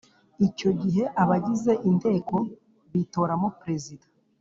Icyo gihe abagize Inteko bitoramo Perezida